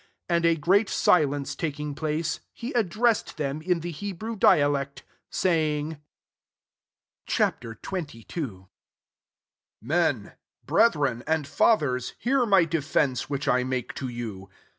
And a great silence taking place, he addressed them in the Hebrew dialect, saying, Ch. XXII. 1 "Men, brethren, and fathers, hear my defence which I make to you."